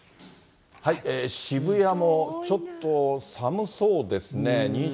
渋谷もちょっと寒そうですね。